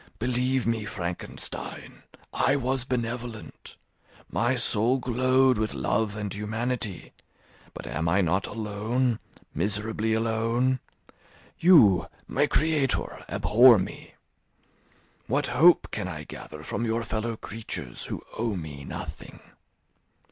Believe me, Frankenstein, I was benevolent; my soul glowed with love and humanity; but am I not alone, miserably alone? You, my creator, abhor me; what hope can I gather from your fellow creatures, who owe me nothing?